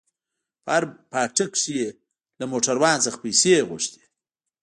په هر پاټک کښې يې له موټروان څخه پيسې غوښتې.